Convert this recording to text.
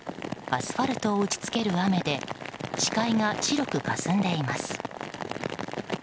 アスファルトを打ち付ける雨で視界が白くかすんでいます。